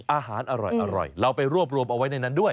อาหารอร่อยเราไปรวบรวมเอาไว้ในนั้นด้วย